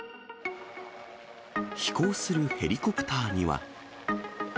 飛行するヘリコプターには。